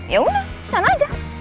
ya udah sana aja